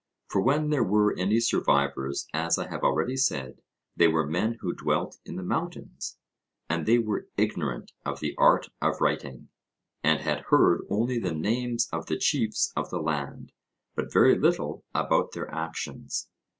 For when there were any survivors, as I have already said, they were men who dwelt in the mountains; and they were ignorant of the art of writing, and had heard only the names of the chiefs of the land, but very little about their actions.